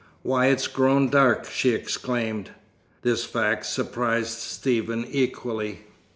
"Why, it's grown dark!" she exclaimed. This fact surprised Stephen equally.